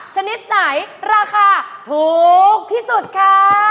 ชนิดไหนราคาถูกที่สุดคะ